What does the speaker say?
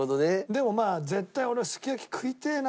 でもまあ絶対俺はすき焼き食いてえな。